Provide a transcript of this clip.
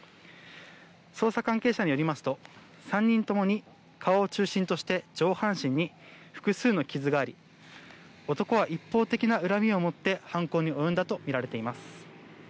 捜査関係者によりますと３人ともに顔を中心として上半身に複数の傷があり男は一方的な恨みを持って犯行に及んだとみられています。